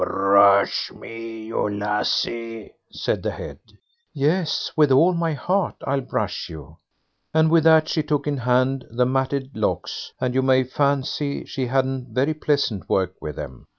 "Brush me, you lassie", said the head. "Yes, with all my heart I'll brush you." And with that she took in hand the matted locks, and you may fancy she hadn't very pleasant work with them.